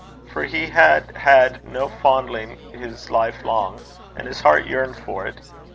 For he had had no fondling his life long, and his heart yearned for it.